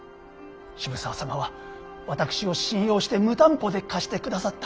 渋沢様は私を信用して無担保で貸してくださった。